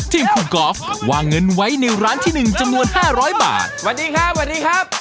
ทีมคุณกอล์ฟวางเงินไว้ในร้านที่๑จำนวน๕๐๐บาทสวัสดีครับสวัสดีครับ